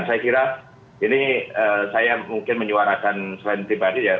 saya kira ini saya mungkin menyuarakan selain pribadi ya